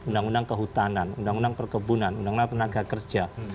undang undang kehutanan undang undang perkebunan undang undang tenaga kerja